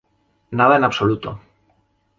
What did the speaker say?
Nada en absoluto...